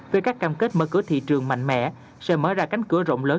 về các cam kết mở cửa thị trường mạnh mẽ sẽ mở ra cánh cửa rộng lớn